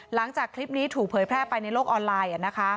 หลังจากคลิปนี้ถูกเผยแพร่ไปในโลกออนไลน์